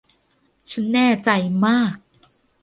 ฉันแน่ใจมาก